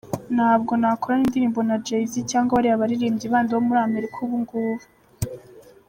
Ntabwo nakorana indirimbo na Jay Z cyangwa bariya baririmbyi bandi bo muri Amerika ubungubu.